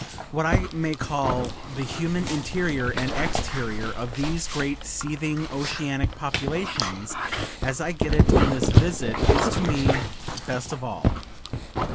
what I may call the human interior and exterior of these great seething oceanic populations, as I get it in this visit, is to me best of all.